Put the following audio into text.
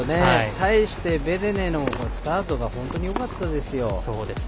対してベデネのスタートが本当によかったですよ。